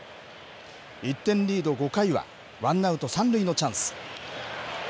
１点リード、５回はワンアウト３塁のチャンス。